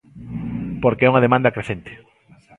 Porque é unha demanda crecente.